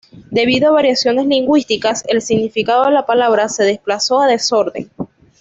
Debido a variaciones lingüísticas, el significado de la palabra se desplazó a "desorden".